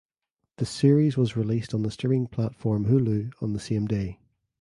The series was released on the streaming platform Hulu on the same day.